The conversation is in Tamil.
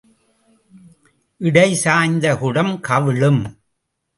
இடை சாய்ந்த குடம் கவிழும்.